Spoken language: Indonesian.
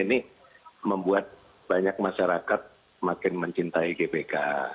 ini membuat banyak masyarakat makin mencintai gbk